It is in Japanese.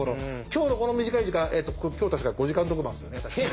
今日のこの短い時間今日確か５時間特番ですよね？